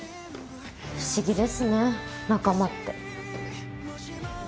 不思議ですね仲間って。